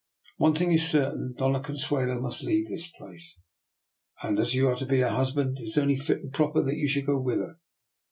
One thing is certain: Dona Con suelo must leave this place, and as you are to be her husband, it is only fit and proper that you should go with her.